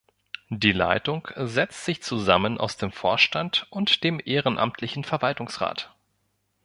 Die Leitung setzt sich zusammen aus dem Vorstand und dem ehrenamtlichen Verwaltungsrat.